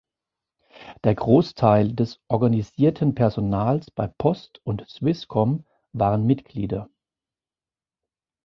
Der Grossteil des organisierten Personals bei Post und Swisscom waren Mitglieder.